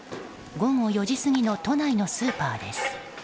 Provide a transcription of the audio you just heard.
午後４時過ぎの都内のスーパーです。